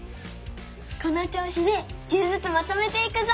このちょうしで１０ずつまとめていくぞ！